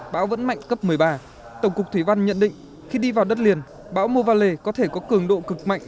bão vẫn mạnh cấp một mươi ba tổng cục thủy văn nhận định khi đi vào đất liền bão mô va lê có thể có cường độ cực mạnh